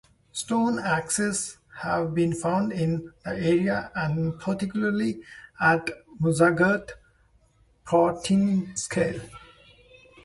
Stone axes have been found in the area and particularly at Mossgarth, Portinscale.